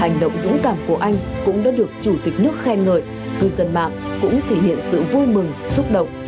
hành động dũng cảm của anh cũng đã được chủ tịch nước khen ngợi cư dân mạng cũng thể hiện sự vui mừng xúc động